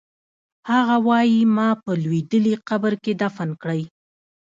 هغه وایی ما په لوېدلي قبر کې دفن کړئ